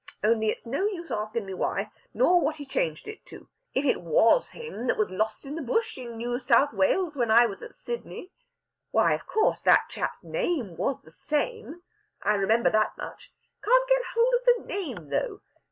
Only, it's no use askin' me why, nor what he changed it to. If it was him that was lost in the Bush in New South Wales, when I was at Sydney, why, of course that chap's name was the same. I remember that much. Can't get hold of the name, though."